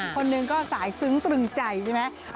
คนหนึ่งก็สายซึ้งตรึงใจใช่ไหม